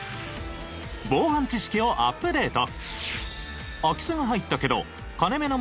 防犯知識をアップデート。